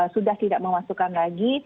sudah tidak memasukkan lagi